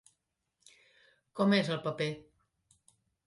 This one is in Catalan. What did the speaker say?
Com és el paper?